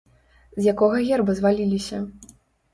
З якога герба зваліліся?